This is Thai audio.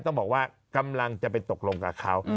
ต้องบอกว่ากำลังจะไปตกลงกับเขา